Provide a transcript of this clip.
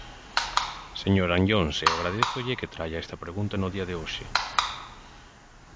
Señor Anllóns, eu agradézolle que traia esta pregunta no día de hoxe.